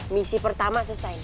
misi pertama selesai